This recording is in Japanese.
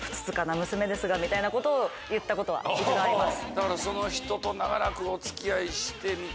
みたいなことを言ったことは一度あります。